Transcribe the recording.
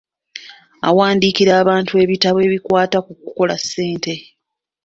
Awandiikira abantu ebitabo ebikwata ku kukola ssente.